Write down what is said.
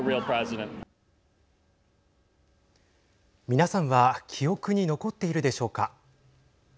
皆さんは記憶に残っているでしょうか。